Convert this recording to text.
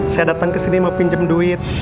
saya datang ke sini mau pinjam duit